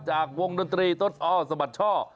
จากวงดนตรีสมัติช่อ